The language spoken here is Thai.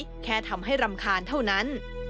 แค่ทำให้รำคาญเท่านั้น